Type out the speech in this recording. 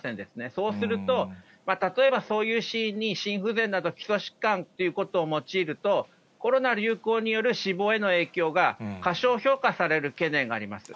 そうすると、例えば、そういうシーンに心不全など、基礎疾患ということを用いると、コロナ流行による死亡への影響が、過小評価される懸念があります。